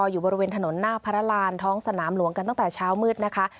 อยู่บริเวณถนนหน้าพระรานท้องสนามหลวงกันตั้งแต่เช้ามืดนะคะ